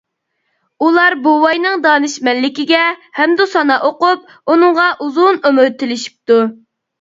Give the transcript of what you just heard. ئۇلار بوۋاينىڭ دانىشمەنلىكىگە ھەمدۇسانا ئوقۇپ، ئۇنىڭغا ئۇزۇن ئۆمۈر تىلىشىپتۇ.